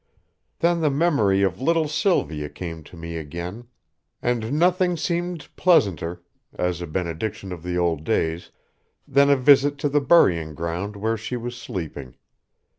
Then the memory of little Sylvia came to me again, and nothing seemed pleasanter, as a benediction to the old days, than a visit to the burying ground where she was sleeping.